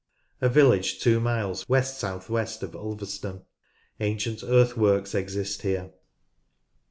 A village two miles west south west of Ulverston. Ancient earthworks exist here.